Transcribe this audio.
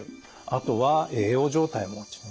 あとは栄養状態も落ちる。